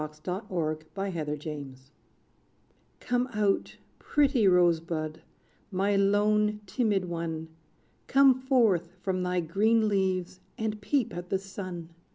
=The Rose Bud of Autumn= Come out pretty Rose Bud, my lone, timid one! Come forth from thy green leaves, and peep at the sun!